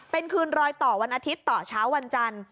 เป็นคืนรอยต่อวันอาทิตย์ต่อเช้าวันจันทร์